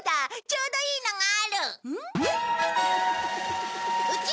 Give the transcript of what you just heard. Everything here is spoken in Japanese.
ちょうどいいのがある！